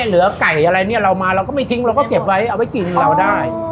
เหลือไก่อะไรเนี่ยเรามาเราก็ไม่ทิ้งเราก็เก็บไว้เอาไว้กินเราได้